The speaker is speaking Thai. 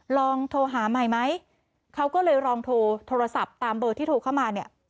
ลองโทรหาใหม่ไหมเขาก็เลยลองโทรโทรศัพท์ตามเบอร์ที่โทรเข้ามาเนี่ย